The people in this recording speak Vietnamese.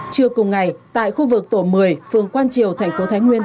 trưa cùng ngày tại khu vực tổ một mươi phường quang triều thành phố thái nguyên